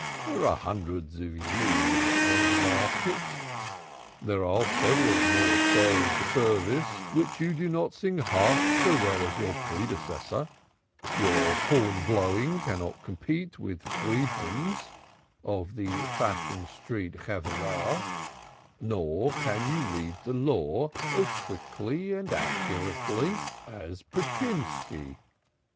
"There are hundreds of you in the market. There are several morceaux of the service which you do not sing half so well as your predecessor; your horn blowing cannot compete with Freedman's of the Fashion Street Chevrah, nor can you read the Law as quickly and accurately as Prochintski.